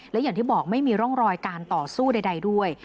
และอย่างที่บอกไม่มีร่องรอยการต่อสู้ใดด้วย